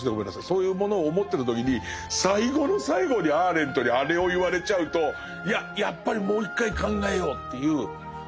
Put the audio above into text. そういうものを思ってた時に最後の最後にアーレントにあれを言われちゃうといややっぱりもう一回考えようっていう。